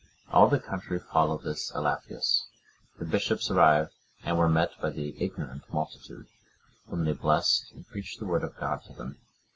All the country followed this Elafius. The bishops arrived, and were met by the ignorant multitude, whom they blessed, and preached the Word of God to them.